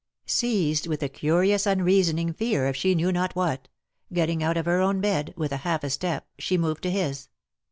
Seized with a curious unreasoning fear of she knew not what ; getting out oi her own bed, with half a step she moved to his.